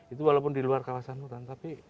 itu walaupun di luar kawasan hutan tapi